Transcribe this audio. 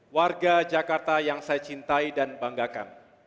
warga jakarta yang saya cintai dan banggakan